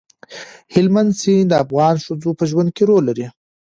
هلمند سیند د افغان ښځو په ژوند کې رول لري.